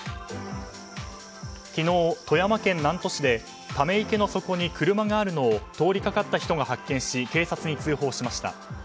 昨日、富山県南砺市でため池の底に車があるのを通りかかった人が発見し警察に通報しました。